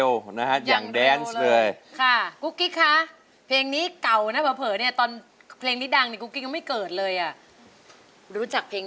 บอกเลยว่าเจ้าหวะมายังเร็ว